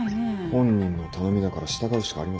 本人の頼みだから従うしかありません。